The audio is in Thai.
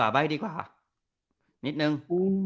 ไปดีกว่านิดนึง